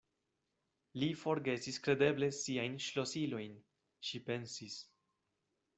Li forgesis kredeble siajn ŝlosilojn, ŝi pensis.